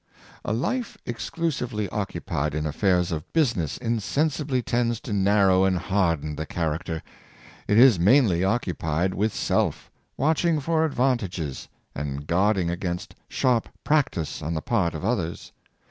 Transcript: A life exclusively occupied in affairs of business in sensibly tends' to narrow and harden the character. It is mainly occupied with self — watching for advantages, and guarding against sharp practice on the part of oth ers.